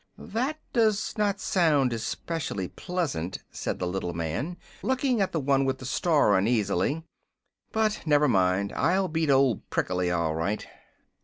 "That does not sound especially pleasant," said the little man, looking at the one with the star uneasily. "But never mind. I'll beat Old Prickly, all right."